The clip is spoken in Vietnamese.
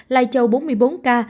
lai châu bốn mươi bốn ca